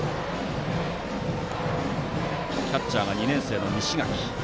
キャッチャーは２年生の西垣。